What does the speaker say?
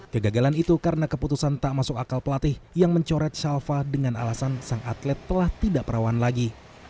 kegagalan itu karena keputusan tak masuk akal pelatih yang mencoret shalfa dengan alasan sang atlet telah tidak perawan lagi